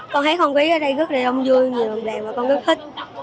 con thấy không khí ở đây rất là đông vui nhiều đồng đèn mà con rất thích